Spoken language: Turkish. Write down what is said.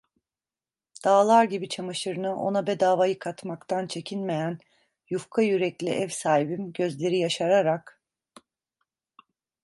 Dağlar gibi çamaşırını ona bedava yıkatmaktan çekinmeyen yufka yürekli ev sahibim gözleri yaşararak…